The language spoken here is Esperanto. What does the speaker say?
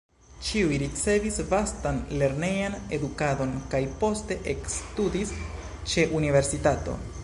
Ĉiuj ricevis vastan lernejan edukadon kaj poste ekstudis ĉe universitato.